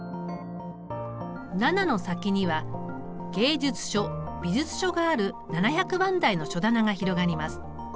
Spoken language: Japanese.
７の先には芸術書美術書がある７００番台の書棚が広がります。